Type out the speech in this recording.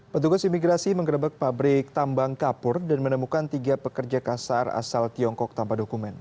petugas imigrasi mengerebek pabrik tambang kapur dan menemukan tiga pekerja kasar asal tiongkok tanpa dokumen